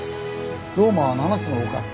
ローマは７つの丘って。